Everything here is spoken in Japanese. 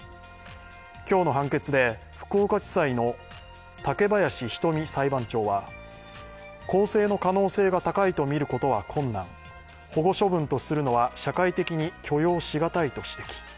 今日の判決で福岡地裁の武林仁美裁判長は更生の可能性が高いとみることは困難、保護処分とするのは社会的に許容し難いと指摘。